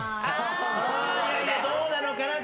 どうなのかな。